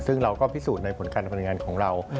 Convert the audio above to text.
ซึ่งเราก็พิสูจน์ในผลการผลิตงานของเรา